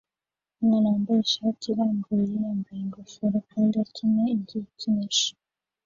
Umwana wambaye ishati irambuye yambaye ingofero kandi akina igikinisho